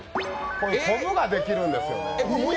こぶができるんですよ。